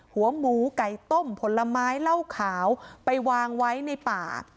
หัวหมูไก่ต้มผลไม้เหล้าขาวไปวางไว้ในป่า